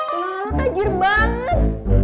malah najir banget